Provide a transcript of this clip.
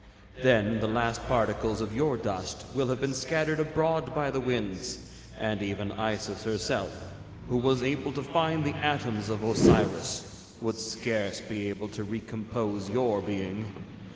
'Then the last particles of your dust will have been scattered abroad by the winds, and even Isis herself, who was able to find the atoms of Osiris, would scarce be able to recompose your being.